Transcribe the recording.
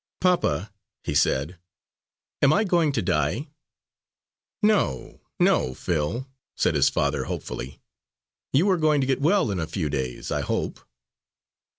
"Papa," he said, "am I going to die?" "No, no, Phil," said his father hopefully. "You are going to get well in a few days, I hope."